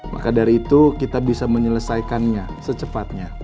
maka dari itu kita bisa menyelesaikannya secepatnya